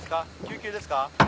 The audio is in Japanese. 救急ですか？